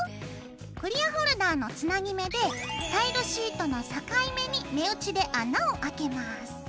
クリアホルダーのつなぎ目でタイルシートの境目に目打ちで穴をあけます。